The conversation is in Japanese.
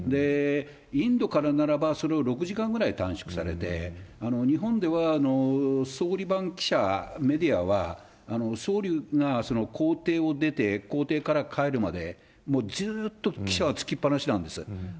インドからならば、それを６時間ぐらい短縮されて、日本では総理番記者、メディアは、総理が公邸を出て公邸から帰るまで、もうずっと記者はつきっぱなしなんです。